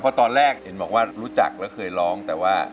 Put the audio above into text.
เพราะตอนแรกเห็นบอกว่ารู้จักแล้วเคยร้องแต่ว่า